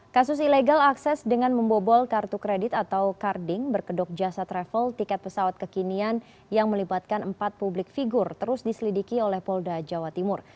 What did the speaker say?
kasus ilegal akses dengan membobol kartu kredit atau carding berkedok jasa travel tiket pesawat kekinian yang melibatkan empat publik figur terus diselidiki oleh polda jawa timur